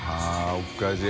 おかしい。